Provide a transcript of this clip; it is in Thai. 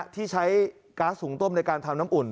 ที่ใช้ก๊าซหุงต้มในการทำน้ำอุ่น